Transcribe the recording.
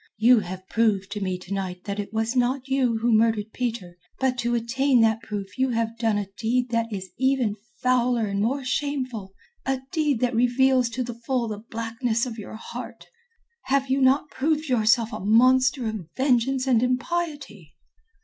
You have proved to me to night that it was not you who murdered Peter; but to attain that proof you have done a deed that is even fouler and more shameful, a deed that reveals to the full the blackness of your heart. Have you not proved yourself a monster of vengeance and impiety?"